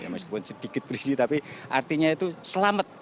meskipun sedikit berisi tapi artinya itu selamat